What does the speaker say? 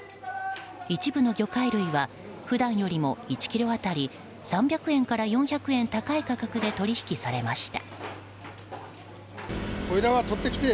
一部の魚介類は普段よりも１ｋｇ当たり３００円から４００円高い価格で取引されました。